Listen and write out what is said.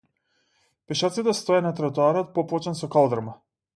Пешаците стоеја на тротоарот поплочен со калдрма.